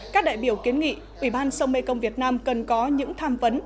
các đại biểu kiến nghị ủy ban sông mê công việt nam cần có những tham vấn